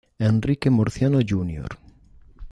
Enrique Murciano Jr.